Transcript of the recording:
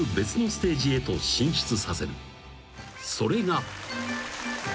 ［それが］